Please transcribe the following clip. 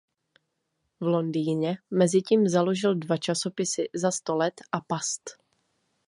V Londýně mezitím založil dva časopisy ""Za sto let"" a ""Past"".